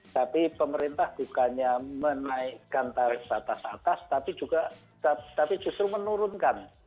tapi pemerintah bukannya menaikkan tarif batas atas tapi juga tapi justru menurunkan